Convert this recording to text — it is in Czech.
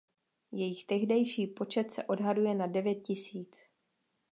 Jejich tehdejší počet se odhaduje na devět tisíc.